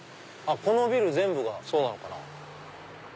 このビル全部がそうなのかな。